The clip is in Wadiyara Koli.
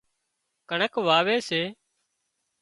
ڪڻڪ واوي سي